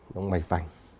động mạch vành